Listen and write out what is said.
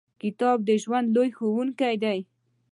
• کتاب د ژوند لوی ښوونکی دی.